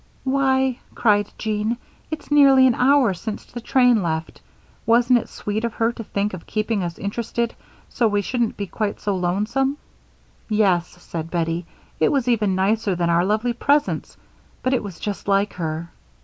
"Why," cried Jean, "it's nearly an hour since the train left. Wasn't it sweet of her to think of keeping us interested so we shouldn't be quite so lonesome?" "Yes," said Bettie, "it was even nicer than our lovely presents, but it was just like her."